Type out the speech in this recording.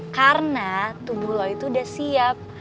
karena tubuh lo itu udah siap